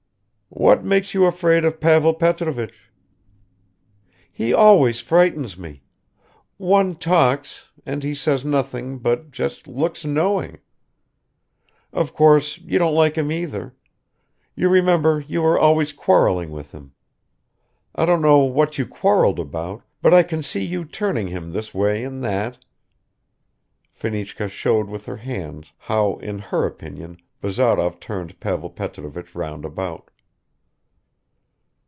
"What makes you afraid of Pavel Petrovich?" "He always frightens me. One talks and he says nothing, but just looks knowing. Of course, you don't like him either. You remember you were always quarreling with him. I don't know what you quarreled about, but I can see you turning him this way and that ..." Fenichka showed with her hands how in her opinion Bazarov turned Pavel Petrovich round about.